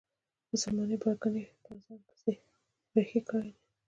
مسلمانې پرګنې یې په ځان پسې رهي کړي دي.